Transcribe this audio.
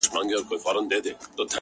بغاوت دی سرکښي ده؛ زندگي د مستۍ نوم دی